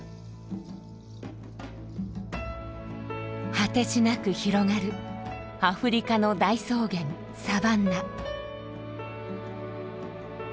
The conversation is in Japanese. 果てしなく広がるアフリカの大草原サバンナ。